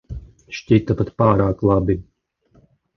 Šķita pat pārāk labi.